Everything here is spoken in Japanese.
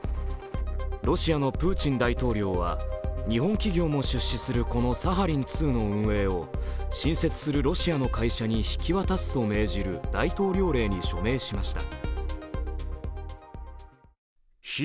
ロシアのプーチン大統領は日本企業も出資するこのサハリン２の運営を新設するロシアの会社に引き渡すと命じる大統領令に署名しました。